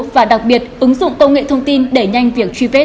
và đặc biệt ứng dụng công nghệ thông tin để nhanh việc truy vết